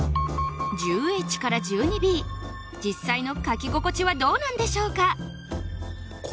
実際の書き心地はどうなんでしょうか？